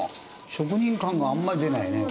職人感があんまり出ないね。